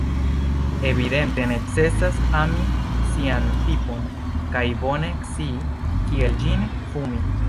Evidente, necesas ami sian pipon kaj bone scii kiel ĝin fumi...